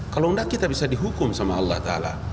kalau tidak kita bisa dihukum sama allah ta'ala